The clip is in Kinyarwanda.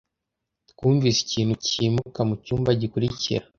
Twumvise ikintu cyimuka mucyumba gikurikira